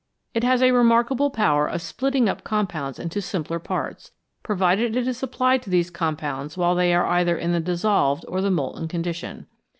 It has a re markable power of splitting up compounds into simpler parts, provided it is applied to these compounds while they are either in the dissolved or the molten con dition.